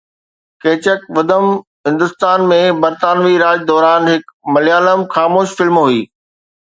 ڪيچڪ ودم هندستان ۾ برطانوي راڄ دوران هڪ مليالم خاموش فلم هئي